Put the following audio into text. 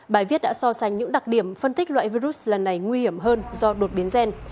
bài viết đã so sánh những đặc điểm phân tích loại virus lần này nguy hiểm hơn do đột biến gen